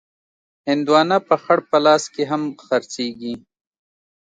هندوانه په خړ پلاس کې هم خرڅېږي.